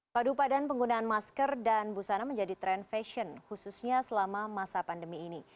padu padan penggunaan masker dan busana menjadi tren fashion khususnya selama masa pandemi ini